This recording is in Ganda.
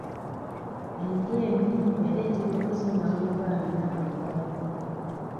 Endya mbi ereetera okuzingama mu baana n'abantu abakulu.